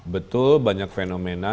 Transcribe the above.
betul banyak fenomena